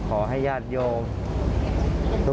ขอให้ญาติโยม